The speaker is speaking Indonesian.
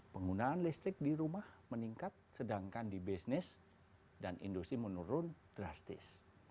penggunaan listrik di rumah meningkat sedangkan di bisnis dan industri menurun drastis